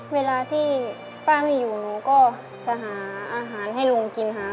เวลาที่ป้าไม่อยู่หนูก็จะหาอาหารให้ลุงกินหา